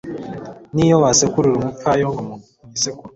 n'iyo wasekurira umupfayongo mu isekuru